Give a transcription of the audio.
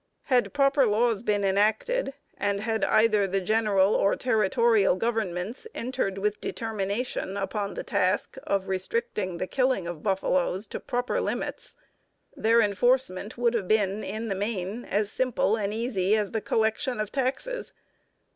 Had proper laws been enacted, and had either the general or territorial governments entered with determination upon the task of restricting the killing of buffaloes to proper limits, their enforcement would have been, in the main, as simple and easy as the collection of taxes.